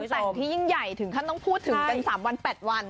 แต่งที่ยิ่งใหญ่ถึงขั้นต้องพูดถึงกัน๓วัน๘วัน